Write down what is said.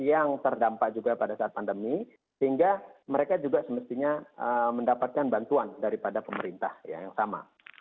yang terdampak juga pada saat pandemi sehingga mereka juga semestinya mendapatkan bantuan daripada pemerintah yang sama